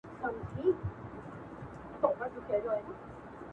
چې دې هر زاړه خیال ته یې